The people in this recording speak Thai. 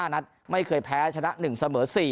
นัดไม่เคยแพ้ชนะ๑เสมอ๔